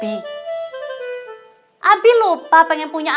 eh gitu ya di rumah tuh semakin takut